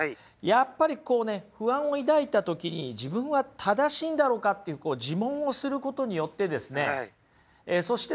やっぱりこうね不安を抱いた時に自分は正しいんだろうかっていう自問をすることによってですね